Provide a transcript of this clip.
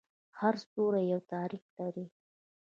هر ستوری یو تاریخ لري.